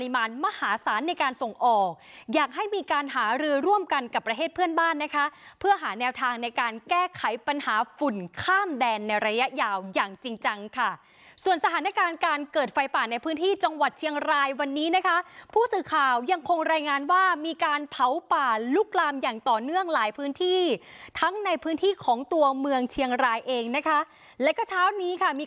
มานมหาศาลในการส่งออกอยากให้มีการหารือร่วมกันกับประเทศเพื่อนบ้านนะคะเพื่อหาแนวทางในการแก้ไขปัญหาฝุ่นข้ามแดนในระยะยาวอย่างจริงจังค่ะส่วนสถานการณ์การเกิดไฟป่าในพื้นที่จังหวัดเชียงรายวันนี้นะคะผู้สื่อข่าวยังคงรายงานว่ามีการเผาป่าลุกลามอย่างต่อเนื่องหลายพื้นที่ทั้งในพื้น